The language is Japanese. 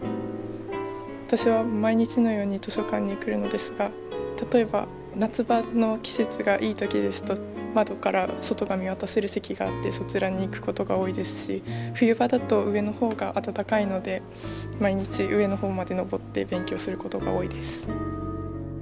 私は毎日のように図書館に来るのですが例えば夏場の季節がいい時ですと窓から外が見渡せる席があってそちらに行く事が多いですし冬場だと上の方が暖かいので毎日上の方まで上って勉強する事が多いです。